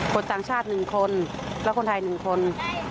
คนต่างชาติ๑คนและคนไทย๑คน